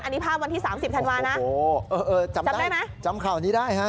อันนี้ภาพวันที่๓๐ธันวานะจำได้ไหมจำข่าวนี้ได้ฮะ